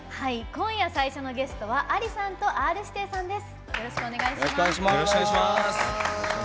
今夜最初のゲストはＡＬＩさんとＲ‐指定さんです。